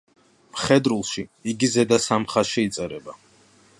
მხედრულში იგი ზედა სამ ხაზში იწერება.